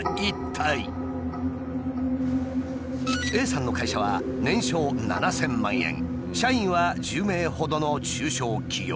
Ａさんの会社は年商７，０００万円社員は１０名ほどの中小企業。